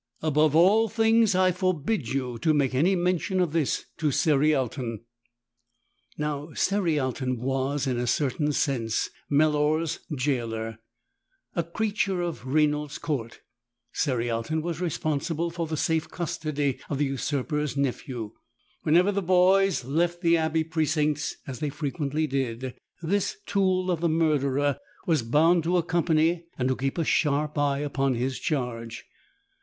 Above all things I forbid you to make any mention of this to Cerialton." Now Cerialton was, in a certain sense, Melor's gaoler. A creature of Rainald's court, Cerialton was responsible for the safe custody of the usurper's nephew. Whenever the boys left the abbey precincts, as they frequently did, this tool of the murderer was bound to accompany and to keep a sharp eye upon his charge.